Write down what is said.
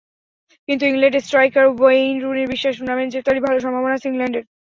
কিন্তু England striker Wayne রুনির বিশ্বাস, টুর্নামেন্ট জেতারই ভালো সম্ভাবনা আছে ইংল্যান্ডের।